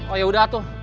oh yaudah tuh